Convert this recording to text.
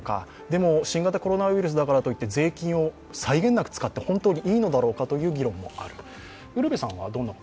でも新型コロナウイルスだからといって税金を際限なく使っていいのだろうかという議論もある。